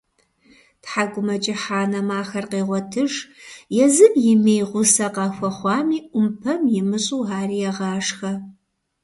ТхьэкIумэкIыхь анэм ахэр къегъуэтыж, езым имеи гъусэ къахуэхъуами, Iумпэм имыщIу, ари егъашхэ.